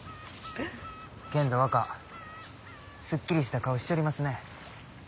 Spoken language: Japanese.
けんど若すっきりした顔しちょりますね。